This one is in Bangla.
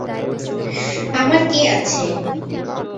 আমার কে আছে?